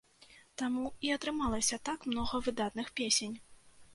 Таму і атрымалася так многа выдатных песень.